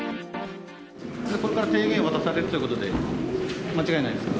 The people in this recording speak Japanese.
これから提言を渡されるということで間違いないですか？